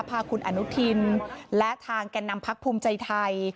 พาคุณอนุทินและทางแก่นำพักภูมิใจไทย